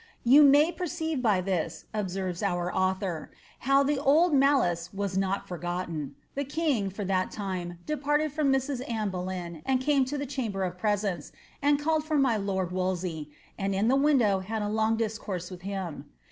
^ You may perceive by this," observes our author,' ^ how the old malice was not foigotten. The king, for that time, departed from Mrs. Anne Boleyn, and came to the chamber of presence, and called for my lord [Wolsey], and in the window had a long discourse with him.